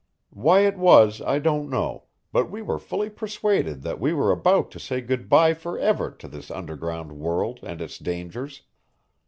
Why it was I don't know, but we were fully persuaded that we were about to say good by forever to this underground world and its dangers.